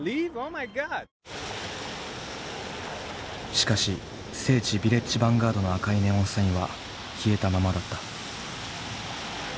しかし聖地ヴィレッジ・ヴァンガードの赤いネオンサインは消えたままだった。